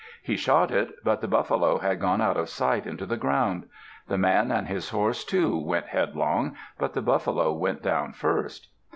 He shot it; but the buffalo had gone out of sight into the ground. The man and his horse, too, went headlong; but the buffalo went down first.